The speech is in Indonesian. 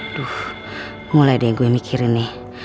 aduh mulai deh gue mikirin nih